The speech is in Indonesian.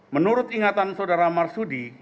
menurut ingatan saudara marsudi